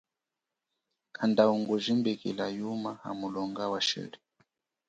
Kanda ungu jimbikila yuma hamulonga wa shili.